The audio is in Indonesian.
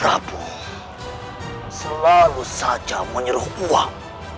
prabu selalu saja menyeruh uang